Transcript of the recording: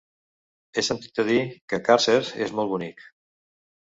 He sentit a dir que Càrcer és molt bonic.